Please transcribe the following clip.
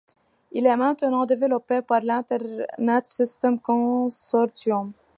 Il est maintenant développé par l'Internet Systems Consortium.